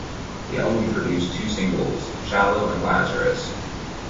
The album produced two singles: "Shallow" and "Lazarus".